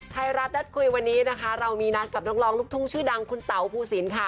ไทยรัฐนัดคุยวันนี้นะคะเรามีนัดกับนักร้องลูกทุ่งชื่อดังคุณเต๋าภูสินค่ะ